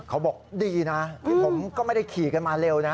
เขาบอกดีนะที่ผมก็ไม่ได้ขี่กันมาเร็วนะ